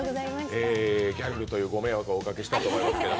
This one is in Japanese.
ギャルルというご迷惑をおかけしたと思いますけど。